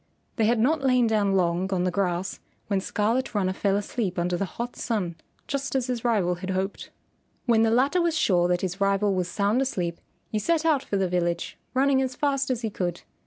They had not lain down long on the grass when Scarlet Runner fell asleep under the hot sun, just as his rival had hoped. When the latter was sure that his rival was sound asleep, he set out for the village, running as fast as he could.